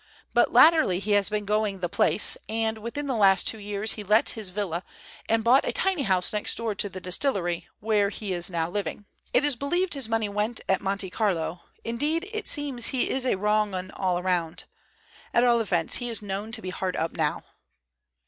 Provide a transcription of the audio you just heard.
But latterly he has been going the pace, and within the last two years he let his villa and bought a tiny house next door to the distillery, where he is now living. It is believed his money went at Monte Carlo, indeed it seems he is a wrong 'un all round. At all events he is known to be hard up now."